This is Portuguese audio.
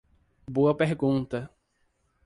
Boa pergunta